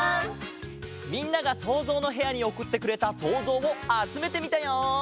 みんなが「そうぞうのへや」におくってくれたそうぞうをあつめてみたよ！